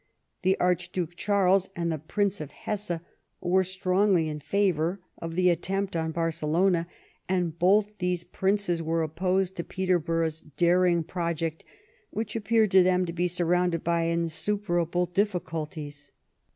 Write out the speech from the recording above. The Archduke Charles and the Prince of Hesse were strongly in favor of the attempt on Barcelona, and both these princes were opposed to Peterborough's daring project, which appeared to them to be surrounded by insuperable diffi culties.